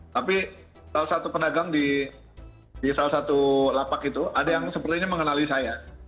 tapi salah satu pedagang di salah satu lapak itu ada yang sepertinya mengenali saya